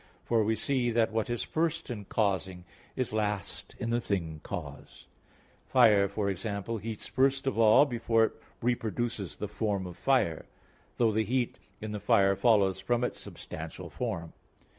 For we see that what is first in causing, is last in the thing caused. Fire, e.g. heats first of all before it reproduces the form of fire; though the heat in the fire follows from its substantial form.